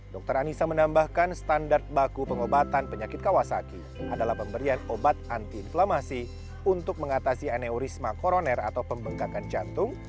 dr anissa menambahkan standar baku pengobatan penyakit kawasaki adalah pemberian obat anti inflamasi untuk mengatasi aneurisma koroner atau pembengkakan jantung